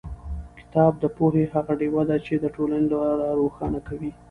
کتاب د پوهې هغه ډېوه ده چې د ټولنې لار روښانه کوي.